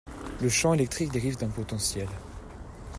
le champ électrique dérive d'un potentiel